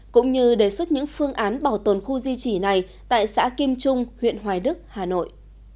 cũng như đề xuất những phương án bảo tồn khu di chỉ này tại xã kim trung huyện hoài đức hà nội